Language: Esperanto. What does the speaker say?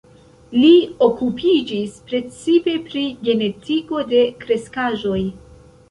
Li okupiĝis precipe pri genetiko de kreskaĵoj.